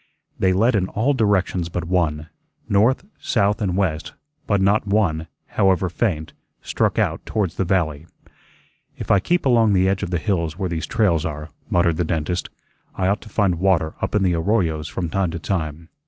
They led in all directions but one north, south, and west; but not one, however faint, struck out towards the valley. "If I keep along the edge of the hills where these trails are," muttered the dentist, "I ought to find water up in the arroyos from time to time."